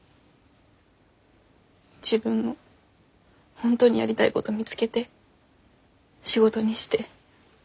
自分の本当にやりたいごど見つけて仕事にして。